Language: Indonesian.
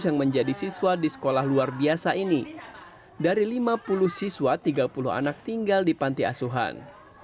yang menjadi siswa di sekolah luar biasa ini dari lima puluh siswa tiga puluh anak tinggal di panti asuhan